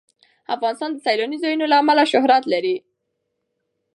افغانستان د سیلانی ځایونه له امله شهرت لري.